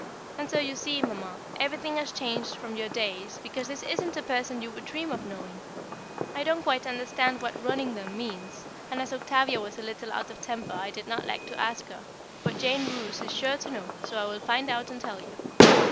And so you see, Mamma, everything has changed from your days, because this isn't a person you would dream of knowing. I don't quite understand what "running them" means, and as Octavia was a little out of temper, I did not like to ask her; but Jane Roose is sure to know, so I will find out and tell you.